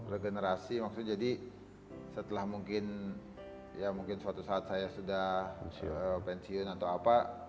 regenerasi maksudnya jadi setelah mungkin ya mungkin suatu saat saya sudah pensiun atau apa